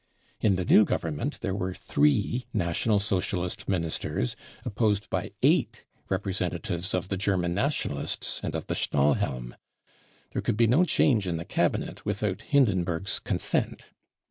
In the new Government there were three National Socialist Ministers opposed by eight representatives of the German Nationalists and of the Stahlhelm, There could be no change in the Cabinet with out Hindenburg's consent.